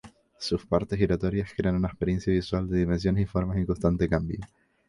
Sus partes giratorias crean una experiencia visual de dimensiones y formas en constante cambio.